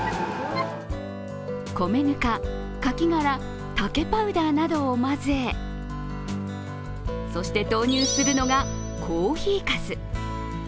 米ぬか、かき殻竹パウダーなどを混ぜそして、投入するのがコーヒーかす